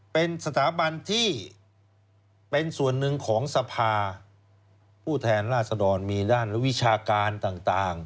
เป็นสถาบันที่เป็นส่วนหนึ่งของสภาผู้แทนราษฎรมีด้านวิชาการต่าง